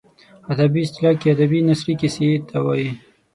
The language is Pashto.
ادبي اصطلاح کې ادبي نثري کیسې ته وايي.